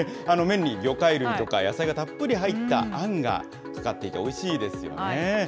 麺に魚介類とか野菜がたっぷり入ったあんがかかっていて、おいしいですよね。